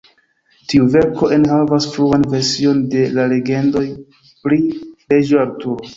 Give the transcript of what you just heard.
Tiu verko enhavas fruan version de la legendoj pri Reĝo Arturo.